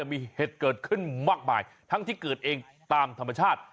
มีเหตุเกิดขึ้นมากมายทั้งที่เกิดเองตามธรรมชาติ